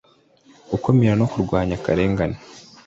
gukumira no kurwanya akarengane,